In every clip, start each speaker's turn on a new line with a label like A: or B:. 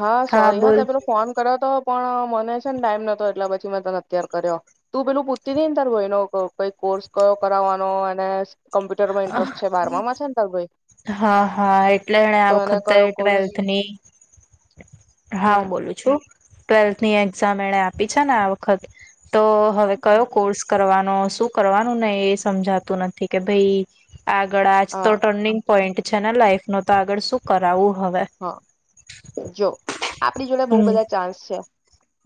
A: હા સોરી હા તે પેલો ફોન કયરો તો પણ મને છે ને ટાઈમ નતો એટલે પછી મેં તને અત્યાર કર્યો, તું પેલું પૂછતી તી ને તાર ભાઈનો ક કઈક કોર્સ કયો કરાવવાનો અને કોમ્પ્યુટર માં ઇન્ટરેસ્ટ છે. બારમા માં છે ન તાર ભાઈ?
B: હા, હા. એટલે એને
A: તો
B: વખતે
A: કયો કોર્સ
B: ટ્વેલ્થ ની હા
A: હમ
B: હું બોલું છું. ટ્વેલ્થ ની એક્ઝામ એણે આપી છે ને આ વખત તો હવે
A: હમ.
B: કયો કોર્સ કરવા શું કરવાનું નને એ સમજાતું નથી કે ભાઈ આગળ આજ તો
A: હા
B: ટર્નિંગ છે ને લાઈફ ન તો આગળ શું કરાવું? હવે
A: હા, જો આપડી જોડે બહુ
B: હમ
A: બધા ચાન્સ છે.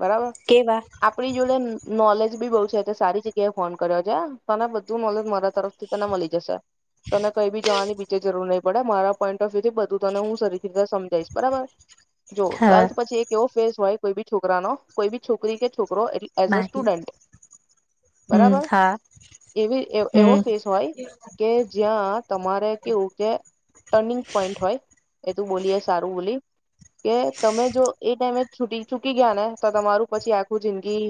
A: બરાબર
B: કેવા
A: આપડી જોડે નોલેજ બી બવ છે સારી જગ્યાએ ફોન કર્યો છે તને બધું નોલેજ મારા તરફથી તને મળી જશે. તને કઈ બી જવાની બીજે જરૂર નહી પડે મારા પોઈન્ટ ઓફ વ્યુ થી બધું તને હું રી સમજાઈશ બરાબર? જો
B: હા
A: ટ્વેલ્થ પછી એક એવો ફેઝ હોય કોઈ બી છોકરા નો કોઈ ભી છોકરી કે છોકરો એટલે એઝ અ
B: માહી
A: સ્ટુડન્ટ
B: હમ
A: બરાબર
B: હા
A: એ એવો
B: હમ
A: ફેસ હોય કે જ્યાં તમારે કેવું કે ટર્નિંગ પોઈન્ટ હોય. એ તું બોલીએ સારું બોલી કે તમે જો એ ટાઈમે છૂટી ચૂકી ગયા ને તો તમારું પછી આખું જિંદગી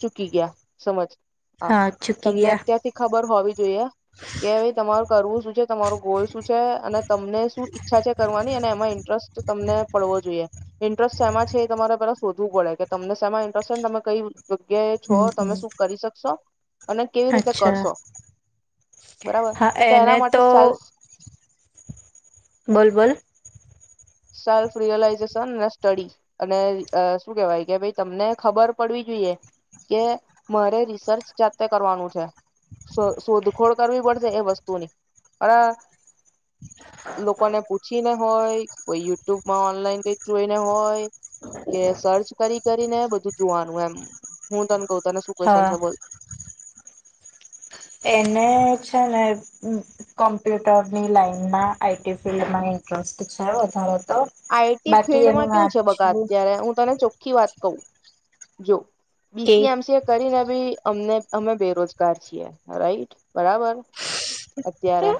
A: ચૂકી ગયા સમજ. હા
B: ચૂકી
A: તમને
B: ગયા
A: અત્યારથી ખબર હોવી જોઈ કે ભાઈ તમારું કરવું શું છે, તમારું ગોલ શું છે અને તમને શું ઈચ્છા છે કરવાની અને એમાં ઇન્ટરેસ્ટ તમને પડવો જોઈએ. ઇન્ટરેસ્ટ શેમાં છે એ તમારે [unintelligible] શોધવું પડે કે તમને શેમાં ઇન્ટરેસ્ટ ને તમે કઈ જગ્યાએ છો,
B: હમ
A: તમે
B: હમ
A: શું કરી શકશો. અને કેવી રીતે
B: અચ્છા
A: કરશો. બરાબર.
B: હા
A: તો
B: એને
A: એના માટે સેલ્ફ
B: [inaudible]
A: સેલ્ફ રિયલાઈઝેશન અને સ્ટડી અને અહ શું કેવાય કે ભઈ તમને ખબર પડવી જોઈએ કે મારે રિસર્ચ જાતે કરવાનું છે, શો શોધખોળ કરવી પડશે એ વસ્તુની, પણ લોકોને પૂછીને હોય કોઈ યુટ્યુબમાં ઓનલાઈન કઈક જોઈને હોય, કે સર્ચ કરી-કરીને બધું જોવાનું એમ. હું તન કઉં તને શું ક્વેશ્ચન
B: હા
A: છે બોલ?
B: એને છે ને કોમ્પ્યુટરની લાઈનમાં આઈ ટી ફિલ્ડમાં ઇન્ટરેસ્ટ છે વધારે તો
A: આઈ ટી
B: બાકી એનું
A: ફિલ્ડમાં કેવું છે બકા
B: વાંચવું
A: અત્યારે, હું તને ચોખ ખી વાત કવ જો બી
B: કે
A: સી, એમ સી એ કરીને બી અમને અમે બેરોજગાર છીએ રાઈટ. બરાબર. અત્યારે,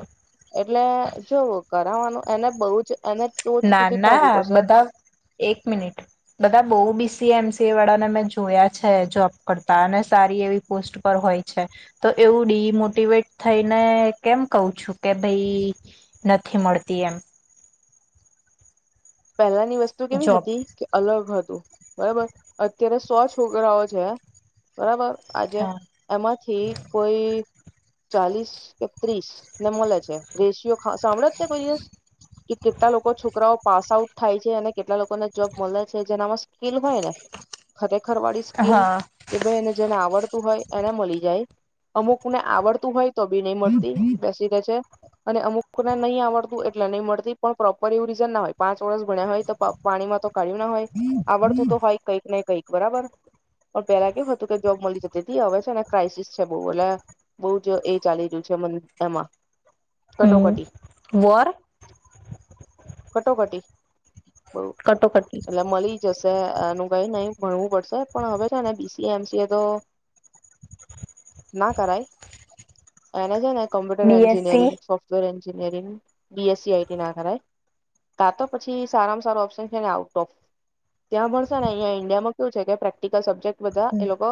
A: એટલે જોવ કરાવવાનું એને બહુ જ એને ટોચ
B: ના,
A: સુધી
B: ના
A: પહોંચવું પડશે
B: બધા, એક મિનિટ, બધા બહું બી સી, એમ સ સી એ વાળાને મેં જોયા છે જોબ કરતા, અને સારી એવી પોસ્ટ પર હોય છે, તો એવું ડિમોટીવેટ થઈને કેમ કઉ છું કે ભઈ નથી મળતી એમ.
A: પહેલાની વસ્તુ કેવી
B: જોબ
A: હતી કે અલગ હતું. બરાબર. અત્યારે સો છોકરાઓ છે, બરાબર. આજે
B: હા
A: એમાંથી કોઈ ચાલીસ ત્રીસ ને મળે છે રેશિયો સાંભળે જ ને કોઈ દિવસ કે કેટલા લોકો છોકરાઓ પાસ આ થાય છે અને કેટલા લોકોને જોબ મળે છે જેનામાં સ્કીલ હોય ને ખર વાળી સ્કીલ
B: હા
A: કે ભને જેને આ હોય એને મળી જાય અમુકને આવડતું હોય તો બી નહી મળતી બેસી રહેે છે. અને અમુકને નહીં આવડતું એટલે નહી મળતી પણ પ્રોપર એવું રીઝન ના હોય પાંચ ચોસ ભણ્યા હોય તો પાણીમાં તો કાઢ્યું ના હોય આવડતું તો હોય કંઈક ન કઈક બરાબર પણ પેલા કેવું હતું કે જોબ મળી જતી હતી હવે છે અને ક્રાઇસિસ છે બહ એ બહ જ એ ચાલી રહ્યું છે એમાં. કટોકટી.
B: વર?
A: કટોકટી? બઉ
B: કટોકટી
A: એટલે મળી જશે એનું ભઈ નહી ભણવું પડશે પણ હવે છે ને B C M C A તો ના કરાય એને છે ને computer
B: BSc
A: engineering, software engineering. B S C I T ના કરાય તા તો પછી સારામાં સારો ઓપ્શન છે ને આઉટ ઓફ ત્યાં ભણશે ને અહંયા ઇન્ડિયામાં કયું છે કે પ્રેક્ટિકલ સબ્જેક્ટ બધા એ લોકો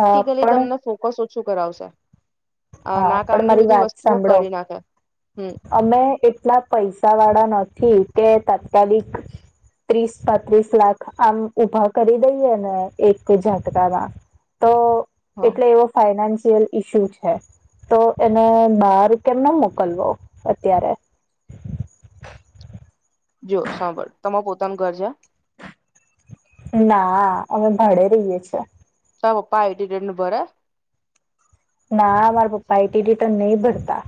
B: અ પણ
A: તમને ફોટો શૂટ શું કરાવશે?
B: હા પણ
A: નાકામની
B: મારી
A: બધી
B: વાત
A: વસ્તુઓ
B: સાંભળો
A: કરી નાખે. હમ
B: અમે એટલા પૈસા વાળા નથી. કે તાત્કાલિક ત્રીસ પાંત્રીસ લાખ આમ ઊભા કરી દઈએ ને એક ઝાટકામાં, તો
A: હા
B: એટલે એવો ફાઈનાન્સ સિયલ ઈસ્યુ છે, તો એને બહાર કેમ ન મોકલવો અત્યારે
A: જો સાંભળ, તમાર પોતાનું ઘર છે?
B: નાહ, અમે ભાડે રહીએ છે.
A: તાર પપ્પા આઈ ટી ટન ભરે?
B: ના, મારા પપ્પા આઈ ટી રિટર્ન નહીં ભરતા.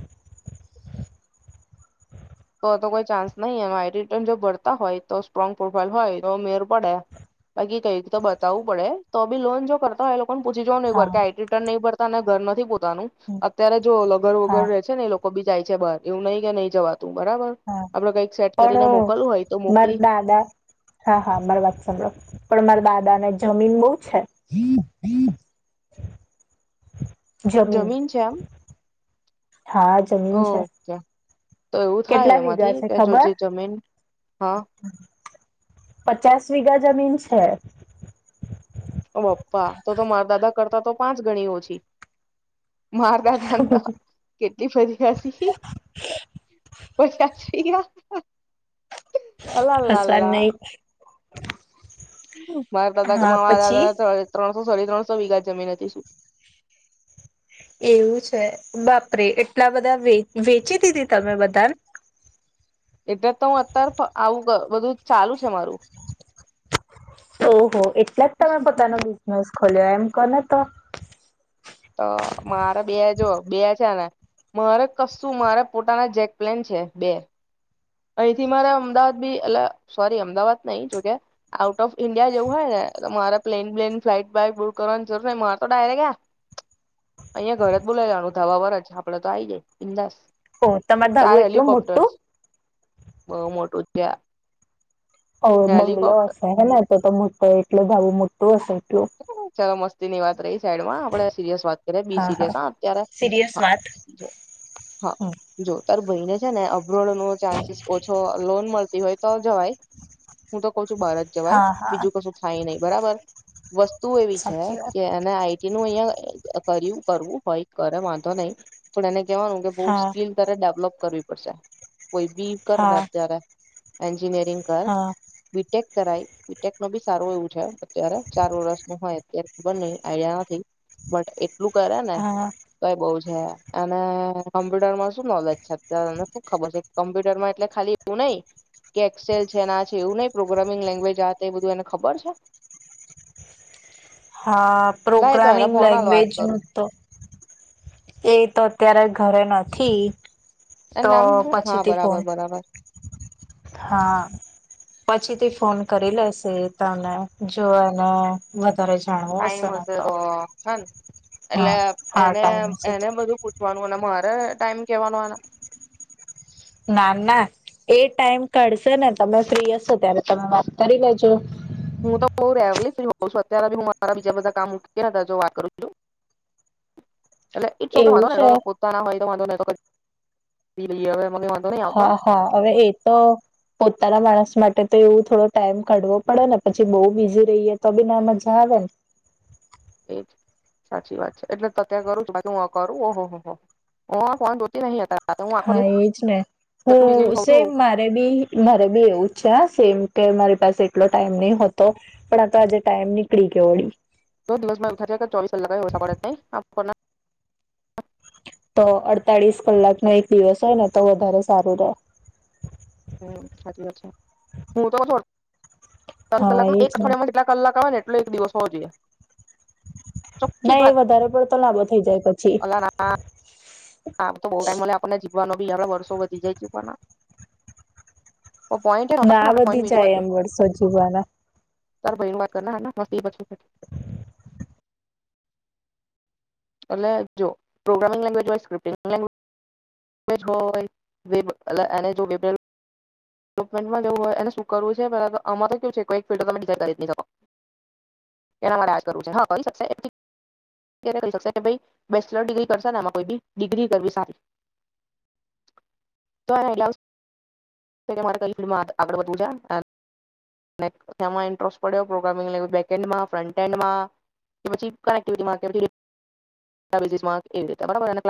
A: તો-તો કોઈ ચાન્સ નહીં. આમ આઈ ટી રિટર્ન જો ભરતા હોય તો સ્ટ્રોંગ પ્રોફાઈલ હોય તો મેળ પડે, બાકી કઈક તો બતાવું પડે, તો બી લોન જો કરતા હોય એ લોક કોન પૂછી જોવો ને એક વાર
B: હા
A: કે આઈ ટી રિટર્ન ભર તાને ઘર નથી પોત તાનું,
B: હમ,
A: અત્યારે જો લગર વગર
B: હા
A: રહે છે ને એ લોક લોકો બી જાય છે બહાર, એવું નહીં કે નહીં જવા
B: હા, પણ
A: મોકલવું હોય તો
B: માર
A: મોકલી
B: દાદા હા, હા, મારી વાત સાંભળો, પણ માર દાદ દા ને જમીન બહું છે. જમીન,
A: છે આમ
B: હા જમીન છે.
A: ઓકે તો એવું થાય
B: કેટલા વીઘા
A: એમાંથી
B: છે
A: કે જો જે
B: ખબર
A: જમીન હા
B: પચાસ વીગા જમીન છે.
A: ઓ પપ્પા તો તો મારા દાદા કરતા તો પાંચ ગણી ઓછી. માર દાદા ન તો કેટલી બધી હતી. ઓછા છી આ અલા લા
B: હસવાન
A: લા.
B: નહી
A: મારે તા ક
B: હા
A: [unintelligible]
B: પછી
A: દાદા ત્રણ હું સોરી ત્રણસો વીઘા જમીન હતી શું
B: એવું છે બાપરે એટલા બધા વેચી દીધી તમે બધાને
A: એટલે તો હું અત્યારે આવું બધું ચાલુ છે મારું
B: ઓહો. એટલા જ તમે પોતાનો બિઝનેસ ખોલ એમ કોને તો
A: તો મારે બે જો બે છે ને મારે કશું મારે પોતાના જેક પ્લેન છે બે. અહીંથી મારે અમદાવાદ બી અ સોરી અમદાવાદ નઈ જોકે આઉટ ઓફ ઈન્ડિયા જેવું હોય ને મારે પ્લેન બ્લેન ફ્લાઇટ બઈટ બુક કરવાની જરૂર મારે તો ડાયરેક્ટ આયા અહિયાં ઘરે જ બોલાયેવાનું ધાબા પર જ આપડે તો આઈ જાય બિન્દાસ.
B: હો તમાર ધાબું એટલું મોટું.
A: બઉુ મોટું ત્યાં
B: ઓ બંગલો હશે હે ને. તો મોટો એટલુ ધાબું મોટું હશે. એટલું
A: ચાલો મસ્તી ની વાત રહી સાઈડ માં આપે સિરિયસ વાત કરીએ બી
B: હા હા
A: સિરિયસ
B: સિરિયસ
A: અત્યારેા
B: વાત
A: હા જો તાર ભાઈને છે ને અ વન મોર ચાન્સિસ ઓછો લોન મળ ઇ હોય તો આવ જવાય હું તો ક બારજ જવાય
B: હા હા
A: બીજું કશું થાય નહી. બરાબર. વસ્તુ એવી છે
B: સાચી વાત
A: કે એને આઈ ટી નું અહિયાં કર્યું કરવું હોય કરે વાંધો નહી પણ એને કેવાનું કે બઉ
B: હા
A: સ્કીલ તને ડેવલપ કરવી પડશે. કોઈ બી કર ને
B: હા
A: અત્યારે એન્જ જિનિયરિંગ કર
B: હા
A: બી ટેક કરાય બી ટેક નો બી સારો એવું છે અત્યારે ચાર વરસ નું હોય અત્યારે ખબર નહી આઈડિયા નથી બટ એટલું કરે ને
B: હા
A: તોઈ બઉ જ કે અને કમ્પ્યુટરમાં શું નોલેજ છે? અત્યારે એને શું ખબર છે? કમ્પ્યુટરમાં એટલે ખાલી એવું નઈ કે એક્સેલ છે, ને આ છે, એવું નહીં પ્રોગ્રામિંગ લેંગ્વેજ આ તે એ બધું એને ખબર છે?
B: હા
A: લાય તો એને
B: પ્રોગ્રામિંગ
A: ફોના વાત
B: લેંગ્વેજ
A: કરું
B: નીતો એ તો અત્યારે ઘરે નથી.
A: એ
B: તો
A: નામ શું હા
B: પછીથી ફોન,
A: બરાબર બરાબર
B: હા. પછી થી ફોન કરી લેશે તને જોને તારે જાણવું હશે ને તો.
A: હ
B: હા
A: એટલે
B: હા
A: એને
B: ટાઈમ છે
A: એને
B: તો
A: બધું પૂછવાનું ને મારે ટાઈમ કેવાનું આના?
B: ના ના એ ટાઈમ કાઢશે ને તમે ફ્રી હશો ત્યારે તમે વાત તારી બાજુ.
A: હું તો બહુ [inaudible] અત્યારે હું મારા બીજા બધા કામ મુકી ગયા હતા જો વાત કરું છું. એટલે એ છોક
B: એવું
A: વાંધો ને
B: છે
A: તો પોતાના હોય તો વાંધો ને તો પી લઈ [unintelligible]
B: હા હા હવે એ તો તારા માણસ માટે તો એવું થોડો ટાઈમ કાઢવો પડે ને પછી બહુ બીઝી રહીએ તો બી ના મજા આવે ને.
A: એજ સાચી વાત છે. એટલે તત્યા કરું છુ હું કરું ઓહ હો હો હો ફન જોતી નહી હતા
B: હા એજ ને
A: બીઝી
B: હું
A: હોઉં છું
B: સેમ મારે બી મારે બી એવું છે આ સેમ કે મારી પાસે એટલો ટાઈમ નહીં હોતો પણ આ તો આજે ટાઈમ નીકળી ગયો ઓળી.
A: [unintelligible] દિવસ માં [unintelligible] ચોવીસ કલાક એય ઓછા પડે છે નહિં આપણને.
B: તો અડતાળીસ કલાક નો એક દિવસ હોય ને તો વધારે સારું રહે.
A: હમ્મ સાચી વાત છે. હું તો [unintelligible] દસ
B: હા
A: કલાકમાં
B: એજ
A: એક
B: ને
A: અઠવાડિયામાં જેટલા કલાક આવે ને એટલો એક દિવસ હોવો જોઈએ. ચોખ્ખી જ
B: ના એ
A: વાત
B: વધારે પડતો લાંબો થઈ જાય પછી.
A: આમ તો બોવ ટાઈમ મલે આપણને જ. જીવાનો બી [unintelligible] વર્ષો વધી જાય જીવાના.
B: ના વધી જાય એમ વર્ષો જીવાના.
A: તાર ભાઈનું વાત કરના [unintelligible]
B: [inaudible]
A: એટલે જો પ્રોગ્રામિંગ લેંગ્વજ [inaudible] [unintelligible] [unintelligible] જવુ હોય, એને શું કરવું છે [unintelligible] કે ભઈ બેચરલ ડિગ્રી કરશે ને આમા કોઈ ભી ડિગ્રી કરવી સારી. [unintelligible] [unintelligible] કઈ ફિલ્ડ માં આગળ વધવું છે [unintelligible] કેમાં ઈન્ટરસ્ટ પડ્યો, પ્રોગ્રામિંગ લેવલ બેકએન્ડ માં, ફ્ન્ટેન્ટ માં, કે કઈ એક્ટિવિટીમાં કે [unintelligible]